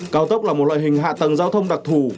cao tốc là một loại hình hạ tầng giao thông đặc thù